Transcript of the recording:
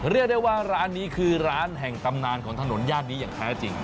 เรียกได้ว่าร้านนี้คือร้านแห่งตำนานของถนนย่านนี้อย่างแท้จริง